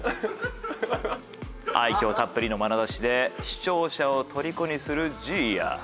愛嬌たっぷりのまなざしで視聴者をとりこにするじいや。